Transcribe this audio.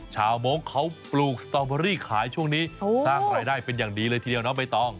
โม้งเขาปลูกสตอเบอรี่ขายช่วงนี้สร้างรายได้เป็นอย่างดีเลยทีเดียวน้องใบตอง